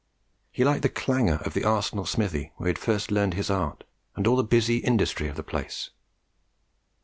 He liked the clangour of the Arsenal smithy where he had first learned his art, and all the busy industry of the place.